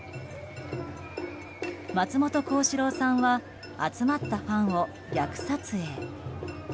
松本幸四郎さんは集まったファンを逆撮影。